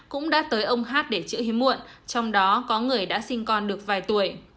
cũng đã tới ông h để chữa hiếm muộn trong đó có người đã sinh con được vài tuổi